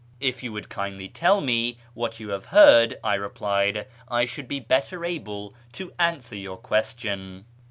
" If you would kindly tell me wliat you have heard," I replied, " I should be better able to answer your question."